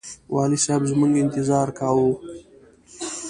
والي صاحب زموږ انتظار کاوه.